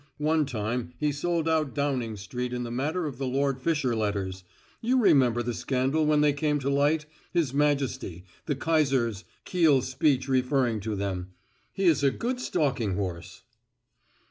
One time he sold out Downing Street in the matter of the Lord Fisher letters; you remember the scandal when they came to light his majesty, the kaiser's, Kiel speech referring to them. He is a good stalking horse."